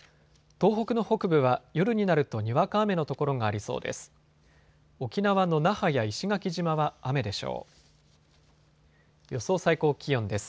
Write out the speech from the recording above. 東北の北部は夜になるとにわか雨の所がありそうです。